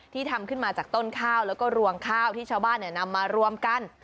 ทำขึ้นมาจากต้นข้าวแล้วก็รวงข้าวที่ชาวบ้านนำมารวมกัน